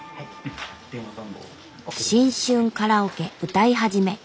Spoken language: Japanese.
「新春カラオケ唄い始め」。